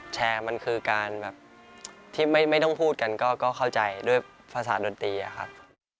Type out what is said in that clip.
แชร์มันคือการแบบที่ไม่ต้องพูดกันก็เข้าใจด้วยภาษาดนตรีอะครับ